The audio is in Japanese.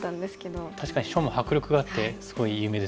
確かに書も迫力があってすごい有名ですよね。